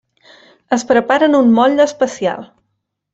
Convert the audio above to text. Es prepara en un motlle especial.